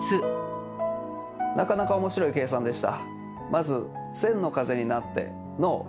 なかなか面白い計算でした。